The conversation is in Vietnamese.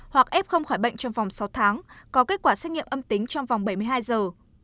hoặc f không khỏi bệnh trong vòng sáu tháng có kết quả xét nghiệm âm tính trong vòng bảy mươi hai giờ